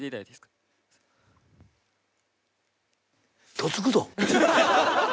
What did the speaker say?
どつくぞ。